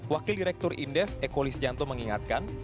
wakil direktur indef eko listianto mengingatkan